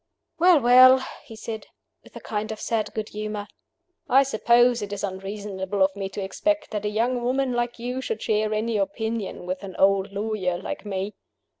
"Well, well," he said, with a kind of sad good humor, "I suppose it is unreasonable of me to expect that a young woman like you should share any opinion with an old lawyer like me.